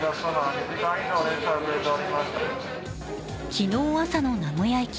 昨日朝の名古屋駅。